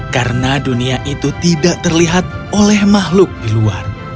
karena dunia itu tidak terlihat oleh makhluk di luar